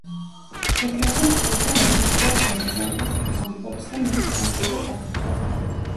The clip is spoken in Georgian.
თეთრაძე თვლის რომ ეთნიკურად ბერძენია, თუმცა ამბობს რომ მისი სამშობლო საქართველოა.